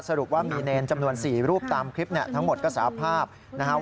สรุปว่ามีเนรจำนวน๔รูปตามคลิปนี้ทั้งหมดก็สาธารณ์ภาพ